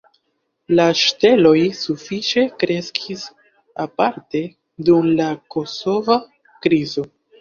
La ŝteloj sufiĉe kreskis aparte dum la kosova krizo.